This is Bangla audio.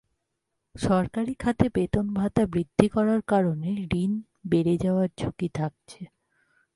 সরকারি খাতে বেতন ভাতা বৃদ্ধি করার কারণে ঋণ বেড়ে যাওয়ার ঝুঁকি থাকছে।